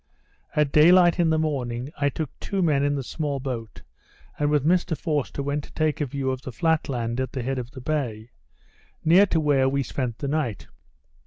At day light in the morning, I took two men in the small boat, and with Mr Forster went to take a view of the flat land at the head of the bay, near to where we spent the night.